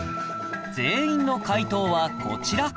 全員の解答はこちら